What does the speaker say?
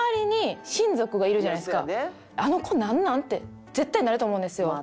あの子なんなん？って絶対なると思うんですよ。